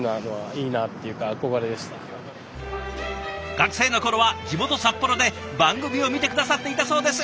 学生の頃は地元札幌で番組を見て下さっていたそうです。